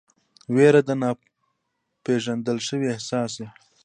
ویره د ناپېژندل شوي احساس ده.